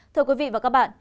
thưa quý vị và các bạn